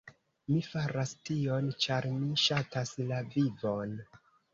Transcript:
Mi faras tion, ĉar mi ŝatas la vivon!